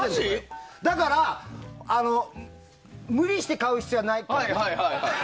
だから、無理して買う必要はないからね。